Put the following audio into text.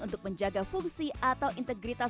untuk menjaga fungsi atau integritas